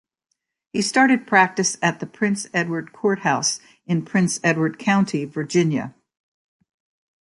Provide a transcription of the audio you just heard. He started practice at the Prince Edward Court House in Prince Edward County, Virginia.